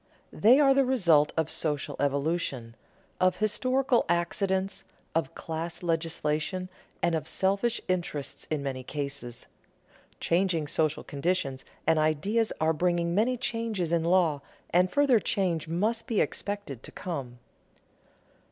They are the result of social evolution, of historical accidents, of class legislation, and of selfish interest in many cases. Changing social conditions and ideas are bringing many changes in law, and further change must be expected to come.